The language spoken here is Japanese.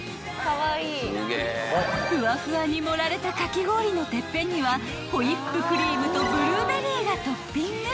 ［フワフワに盛られたかき氷のてっぺんにはホイップクリームとブルーベリーがトッピング］